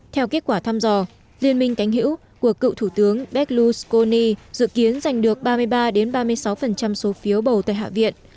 theo kết quả thăm dò liên minh cánh hữu của cựu thủ tướng beloskoni dự kiến giành được ba mươi ba ba mươi sáu số phiếu bầu tại hạ viện